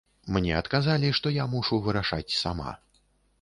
Мне адказалі, што я мушу вырашаць сама.